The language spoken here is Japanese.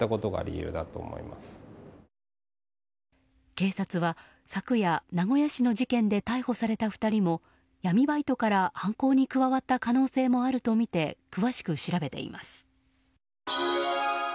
警察は昨夜、名古屋市の事件で逮捕された２人も闇バイトから犯行に加わった可能性もあるとみて詳しく調べています。